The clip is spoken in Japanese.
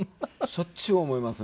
しょっちゅう思いますね。